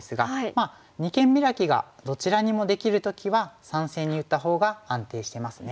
まあ二間ビラキがどちらにもできる時は３線に打ったほうが安定してますね。